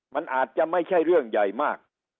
มันอาจจะไม่ใช่เรื่องใหญ่มาก